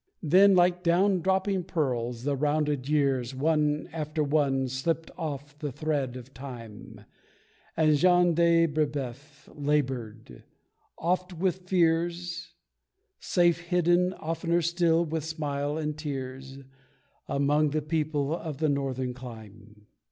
Then like down dropping pearls the rounded years, One after one, slipped off the thread of Time, And Jean de Breboeuf laboured oft with fears Safe hidden, oftener still with smiles and tears, Among the people of this northern clime.